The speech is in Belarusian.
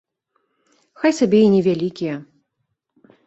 Хай сабе і невялікія.